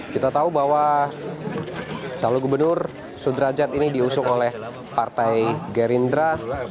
kita tahu bahwa calon gubernur sudrajat ini diusung oleh partai gerindra